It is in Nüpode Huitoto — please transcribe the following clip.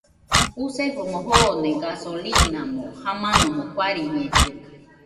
Jusefona joone gasolimo jamanomo guariñellena